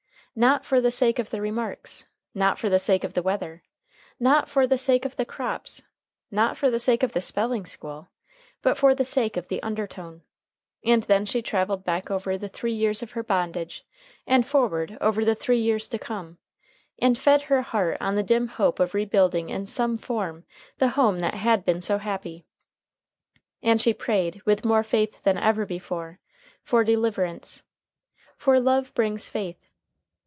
Not for the sake of the remarks. Not for the sake of the weather. Not for the sake of the crops. Not for the sake of the spelling school. But for the sake of the undertone. And then she traveled back over the three years of her bondage and forward over the three years to come, and fed her heart on the dim hope of rebuilding in some form the home that had been so happy. And she prayed, with more faith than ever before, for deliverance. For love brings faith.